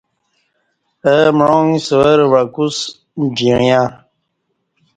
اہ معانگہ سورہ وعکوسہ جعیاں